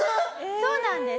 そうなんです。